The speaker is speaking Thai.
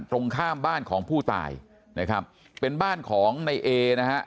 ตรงข้ามบ้านของผู้ตายนะครับเป็นบ้านของในเอนะฮะ